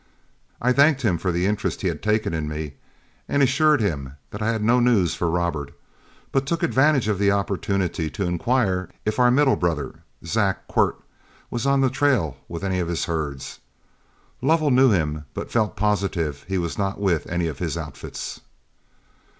I thanked him for the interest he had taken in me, and assured him that I had no news for Robert; but took advantage of the opportunity to inquire if our middle brother, Zack Quirk, was on the trail with any of his herds. Lovell knew him, but felt positive he was not with any of his outfits.